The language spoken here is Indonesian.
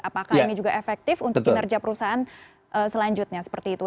apakah ini juga efektif untuk kinerja perusahaan selanjutnya seperti itu